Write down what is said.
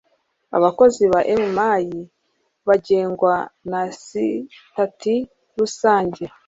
Abakozi ba MMI bagengwa na Sitati rusange